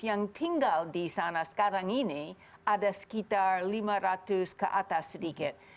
yang tinggal di sana sekarang ini ada sekitar lima ratus ke atas sedikit